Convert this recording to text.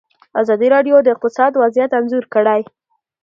ازادي راډیو د اقتصاد وضعیت انځور کړی.